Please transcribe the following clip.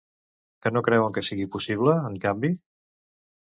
Què no creuen que sigui possible, en canvi?